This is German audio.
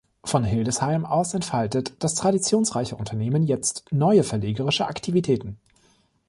Von Hildesheim aus entfaltet das traditionsreiche Unternehmen jetzt neue verlegerische Aktivitäten.